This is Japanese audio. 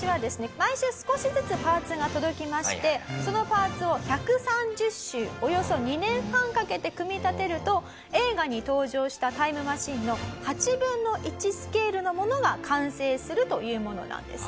毎週少しずつパーツが届きましてそのパーツを１３０週およそ２年半かけて組み立てると映画に登場したタイムマシンの８分の１スケールのものが完成するというものなんです。